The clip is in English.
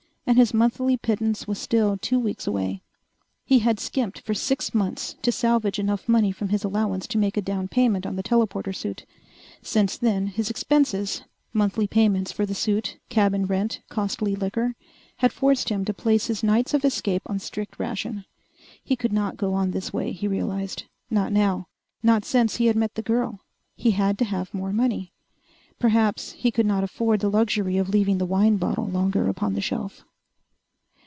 And his monthly pittance was still two weeks away.... He had skimped for six months to salvage enough money from his allowance to make a down payment on the telporter suit. Since then, his expenses monthly payments for the suit, cabin rent, costly liquor had forced him to place his nights of escape on strict ration. He could not go on this way, he realized. Not now. Not since he had met the girl. He had to have more money. Perhaps he could not afford the luxury of leaving the wine bottle longer upon the shelf....